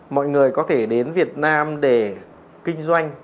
mọi người có thể đến việt nam để kinh doanh